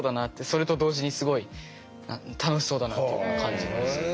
それと同時にすごい楽しそうだなっていうのは感じました。